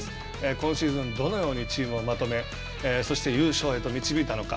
今シーズンどのようにチームをまとめ、そして優勝へと導いたのか。